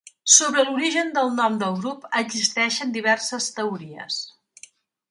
Sobre l'origen del nom del grup existeixen diverses teories.